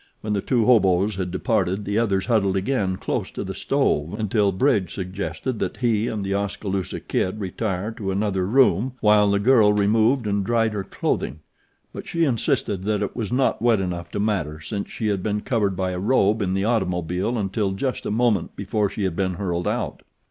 When the two hoboes had departed the others huddled again close to the stove until Bridge suggested that he and The Oskaloosa Kid retire to another room while the girl removed and dried her clothing; but she insisted that it was not wet enough to matter since she had been covered by a robe in the automobile until just a moment before she had been hurled out.